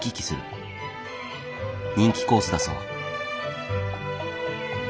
人気コースだそう。